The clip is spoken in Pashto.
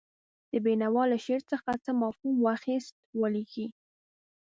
د بېنوا له شعر څخه څه مفهوم واخیست ولیکئ.